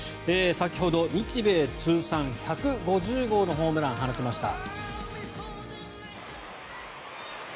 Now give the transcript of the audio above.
先ほど日米通算１５０号のホームランを放ちました。